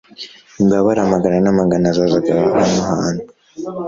Imbabare amagana n’amagana zazaga aho hantu,